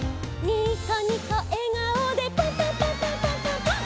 「ニコニコえがおでパンパンパンパンパンパンパン！！」